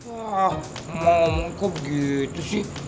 ah mau ngomong kok begitu sih